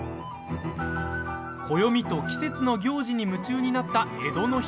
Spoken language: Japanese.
暦と季節の行事に夢中になった江戸の人々。